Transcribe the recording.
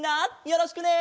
よろしくね！